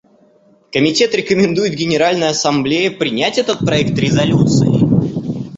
Комитет рекомендует Генеральной Ассамблее принять этот проект резолюции.